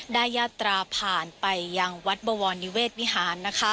ยาตราผ่านไปยังวัดบวรนิเวศวิหาร